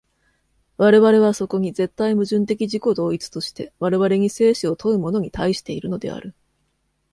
我々はそこに絶対矛盾的自己同一として、我々に生死を問うものに対しているのである。